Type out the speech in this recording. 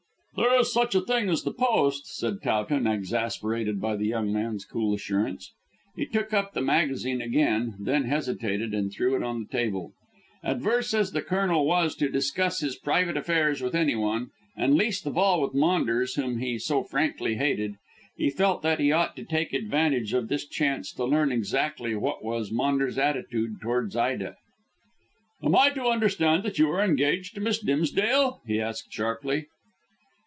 "There is such a thing as the post," said Towton, exasperated by the young man's cool assurance. He took up the magazine again, then hesitated and threw it on the table. Averse as the Colonel was to discuss his private affairs with anyone, and least of all with Maunders, whom he so frankly hated, he felt that he ought to take advantage of this chance to learn exactly what was Maunders' attitude towards Ida. "Am I to understand that you are engaged to Miss Dimsdale?" he asked sharply.